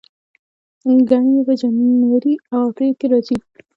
ګڼې یې په جنوري او اپریل کې راځي.